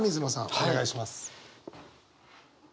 お願いします。